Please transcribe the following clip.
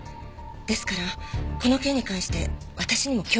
ですからこの件に関して私にも協力させて頂けませんか？